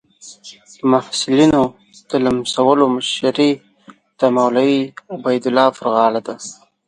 د محصلینو د لمسولو مشري د مولوي عبیدالله پر غاړه ده.